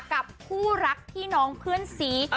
กับคู่รักพี่น้องเพื่อนสี